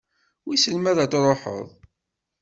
Wissen ma ad truḥeḍ?